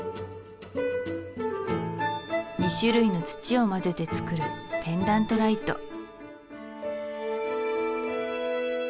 ２種類の土を混ぜて作るペンダントライト